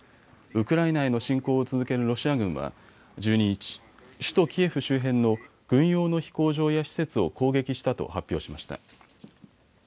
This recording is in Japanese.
ウクライナへの侵攻を続けるロシア軍は１２日、首都キエフ周辺の軍用の飛行場や施設を攻撃したと発表しました。